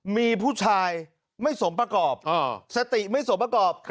มีผู้ชายไม่สมประกอบสติไม่สมประกอบ